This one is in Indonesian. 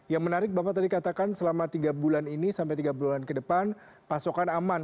yang menarik bapak tadi katakan selama tiga bulan ini sampai tiga bulan ke depan pasokan aman